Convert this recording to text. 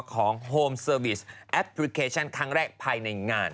โฮมเซอร์วิสแอปพลิเคชันครั้งแรกภายในงาน